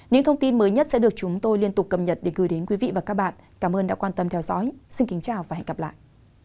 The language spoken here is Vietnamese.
những thông tin mới nhất sẽ được chúng tôi liên tục cập nhật để gửi đến quý vị và các bạn cảm ơn đã quan tâm theo dõi xin kính chào và hẹn gặp lại